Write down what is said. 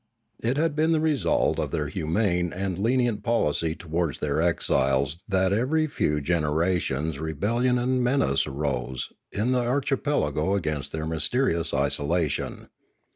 It had been the result of their humane and lenient policy towards their exiles that every few gen erations rebellion and menace rose in the archipelago against their mysterious isolation.